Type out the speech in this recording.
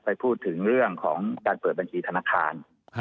ไปพูดถึงเรื่องของการเปิดบัญชีธนาคาร